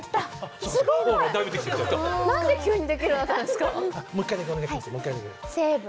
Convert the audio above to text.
何で急にできるようなったんですか？